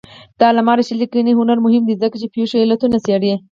د علامه رشاد لیکنی هنر مهم دی ځکه چې پېښو علتونه څېړي.